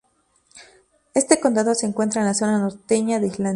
Este condado se encuentra en la zona norteña de Islandia.